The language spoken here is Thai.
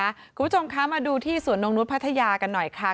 คุณผู้ชมคะมาดูที่สวนนกนุษย์พัทยากันหน่อยค่ะ